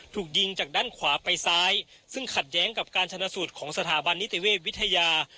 ถูกยิงจากด้านขวาไปซ้ายซึ่งขัดแย้งกับการชนะสูตรของสถาบันนิติเวชวิทยา